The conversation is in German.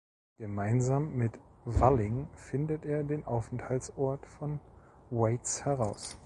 Gemeinsam mit Walling findet er den Aufenthaltsort von Waits heraus.